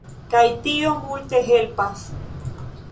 Kaj tio multe helpas.